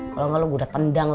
kalau gak lo gue udah tendang lo